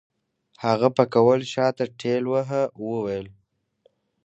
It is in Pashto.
هغه پکول شاته ټېلوهه وويل.